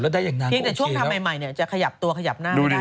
เพียงแต่ช่วงทำใหม่เนี่ยจะขยับตัวขยับหน้าไม่ได้